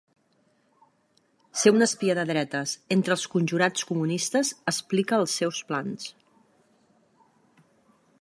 Ser un espia de dretes entre els conjurats comunistes explica els seus plans.